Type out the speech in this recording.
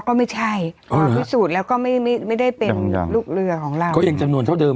ก็ไม่ใช่มาพิสูจน์แล้วก็ไม่ได้เป็นลูกเรือของเราก็ยังจำนวนเท่าเดิ